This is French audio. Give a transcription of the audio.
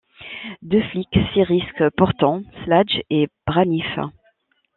Deux flics s'y risquent pourtant, Sladge et Braniff.